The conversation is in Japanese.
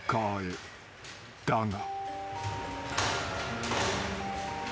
［だが］